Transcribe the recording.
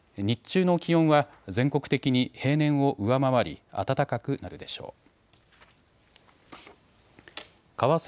日中の気温は全国的に平年を上回り暖かくなるでしょう。